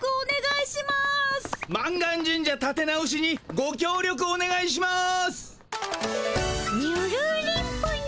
満願神社たて直しにごきょう力おねがいします。